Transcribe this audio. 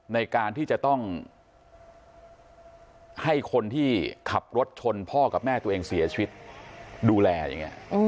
ในการที่จะต้องให้คนที่ขับรถชนพ่อกับแม่ตัวเองเสียชีวิตดูแลอย่างนี้